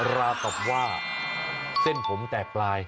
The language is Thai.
ราวกับว่าเส้นผมแตกปลาย